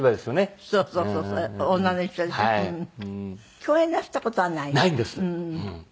共演なすった事はない？